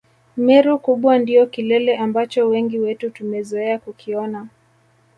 Meru kubwa ndio kilele ambacho wengi wetu tumezoea kukiona